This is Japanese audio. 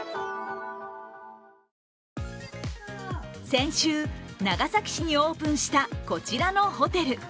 先週、長崎市にオープンしたこちらのホテル。